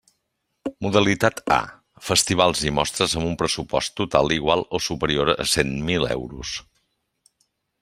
Modalitat A: festivals i mostres amb un pressupost total igual o superior a cent mil euros.